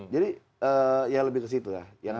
jadi ya lebih ke situ ya